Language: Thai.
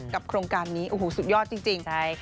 กับโครงการนี้สุดยอดจริง